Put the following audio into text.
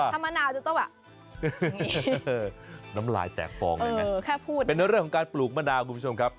ถ้ามะนาวจะต้องแบบน้ำลายแตกฟองเลยนะเป็นเรื่องของการปลูกมะนาวคุณผู้ชมครับ